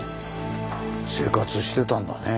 生活してたんだね。